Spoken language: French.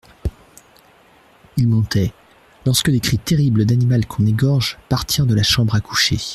Il montait, lorsque des cris terribles d'animal qu'on égorge partirent de la chambre à coucher.